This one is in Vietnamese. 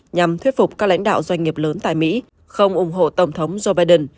nhằm thuyết phục các lãnh đạo doanh nghiệp lớn tại mỹ không ủng hộ tổng thống joe biden